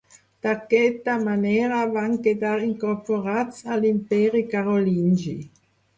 D'aquesta manera van quedar incorporats a l'Imperi Carolingi.